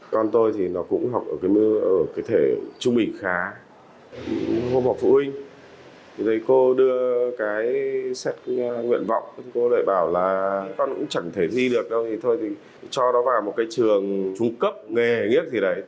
cô đưa cái set nguyện vọng cô lại bảo là con cũng chẳng thể thi được đâu thì thôi thì cho nó vào một cái trường trung cấp nghề nghiếp thì đấy